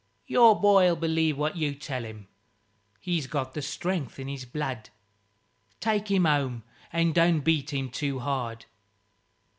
"Your boy'll believe what you tell him: he's got the strength in his blood. Take him home and don't beat him too hard."